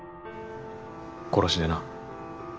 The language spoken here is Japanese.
殺しでな。